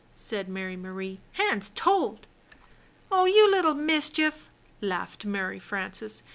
said Mary Marie. "Hands told!" "Oh, you little mischief!" laughed Mary Frances.